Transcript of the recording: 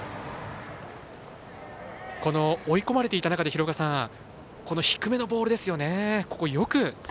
追い込まれていた中で低めのボールですよね。